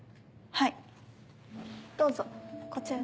はい。